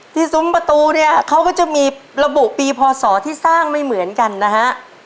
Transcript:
ซุ้มประตูเนี่ยเขาก็จะมีระบุปีพศที่สร้างไม่เหมือนกันนะฮะ